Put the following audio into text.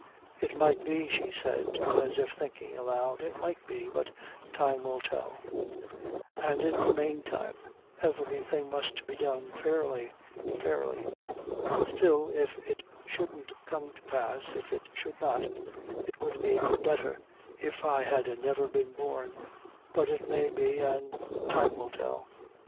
"It might be," she said, as if thinking aloud "it might be but time will tell; and, in the manetime, everything must be done fairly fairly; still, if it shouldn't come to pass if it should not it would be betther if I had never been born; but it may be, an' time will tell."